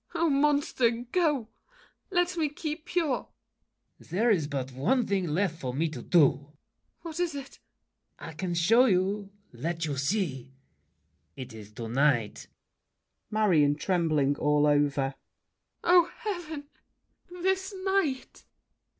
Oh, monster, go! Let me keep pure! LAFFEMAS. There is but one thing left for me to do! MARION. What is it? LAFFEMAS. I can show you—let you see. It is to night. MARION (trembling all over). Oh, heaven! this night!